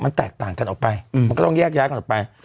มันแตกต่างกันออกไปมันก็ต้องแยกย้ายกันออกไป